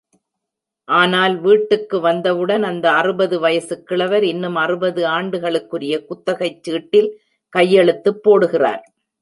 ஆனால் வீட்டிற்கு வந்தவுடன் அந்த அறுபது வயசுக் கிழவர் இன்னும் அறுபது ஆண்டுகளுக்குரிய குத்தகைச் சீட்டில் கையெழுத்துப் போடுகிறார்.